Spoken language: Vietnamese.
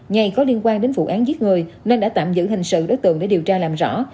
ngày có liên quan đến vụ án giết người nên đã tạm giữ hình sự đối tượng để điều tra làm rõ